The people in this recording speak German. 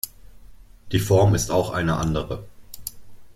Die Form ist auch eine andere.